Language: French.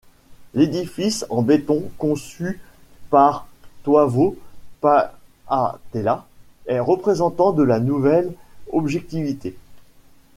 L'édifice en béton conçu par Toivo Paatela est représentant de la Nouvelle Objectivité.